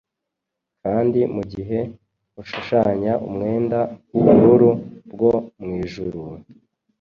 kandi mugihe ushushanya umwenda wubururu bwo mwijuru,